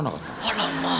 あらまあ！